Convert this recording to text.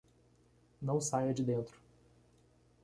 Não saia de dentro